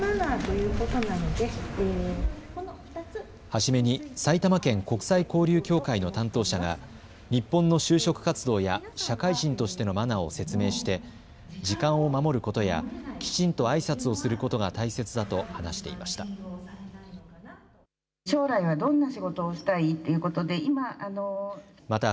初めに埼玉県国際交流協会の担当者が日本の就職活動や社会人としてのマナーを説明して時間を守ることやきちんとあいさつをすることが大切だと話していました。